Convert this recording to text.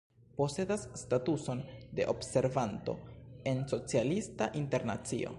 Posedas statuson de observanto en Socialista Internacio.